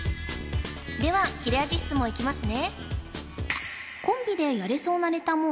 では切れ味質問いきますね